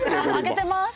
開けてます。